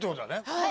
はい。